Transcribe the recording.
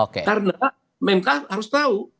karena mempunyai tsm harus tahu